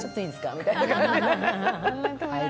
みたいな。